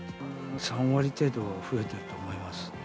３割程度増えてると思います。